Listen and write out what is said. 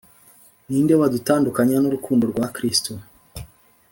Ni nde wadutandukanya n'urukundo rwa Kristo?